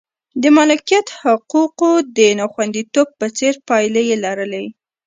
د مالکیت حقوقو د ناخوندیتوب په څېر پایلې یې لرلې.